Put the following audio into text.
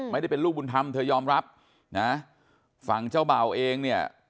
ไม่ได้เป็นลูกบุญธรรมเธอยอมรับนะฝั่งเจ้าเบาเองเนี่ย